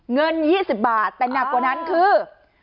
เงิน๒๐บาทแต่หนักกว่านั้นคือ